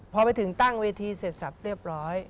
พอไปถึงตั้งเวทีเสร็จสับเรียบร้อย